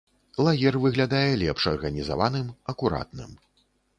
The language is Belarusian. Лагер выглядае лепш арганізаваным, акуратным.